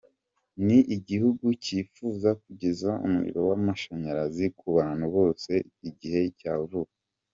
Ni igihugu cyifuza kugeza umuriro w’amashanyarzi ku bantu bose mu gihe cya vuba.